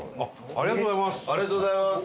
ありがとうございます。